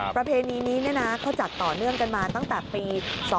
ประเพณีนี้เขาจัดต่อเนื่องกันมาตั้งแต่ปี๒๕๖